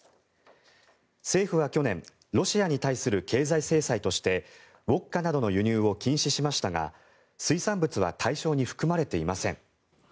政府は去年ロシアに対する経済制裁としてウォッカなどの輸入を禁止しましたが水産物は対象に含まれていません。